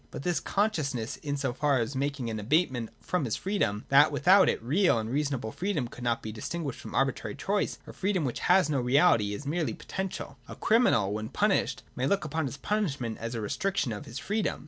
But this consciousness is so far from making any abatement from his freedom, that without it real and reasonable freedom could not be distinguished from arbitrary choice, — a freedom which has no reality and is merely potential. A criminal, when punished, may look upon his punishment as a restriction of his freedom.